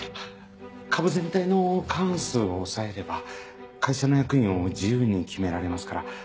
株全体の過半数を押さえれば会社の役員を自由に決められますから。